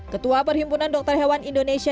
ketua perhimpunan dokter hewan indonesia